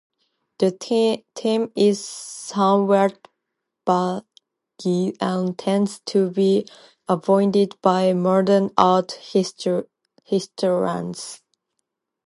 The term is somewhat vague, and tends to be avoided by modern art historians.